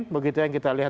pak yusuf kala empat tiga